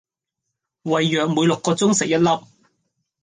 胃藥每六個鐘食一粒